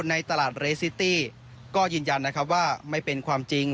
ในตลาดเรซิตี้ก็ยืนยันนะครับว่าไม่เป็นความจริง